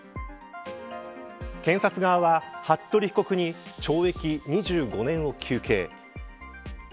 検察側は、服部被告に懲役２５年を求刑。